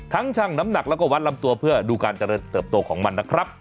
ช่างน้ำหนักแล้วก็วัดลำตัวเพื่อดูการเจริญเติบโตของมันนะครับ